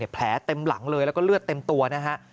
แผลเต็มหลังเลยแล้วก็เลือดเต็มตัวนะฮะ